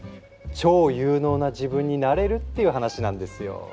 超有能な自分になれるっていう話なんですよ。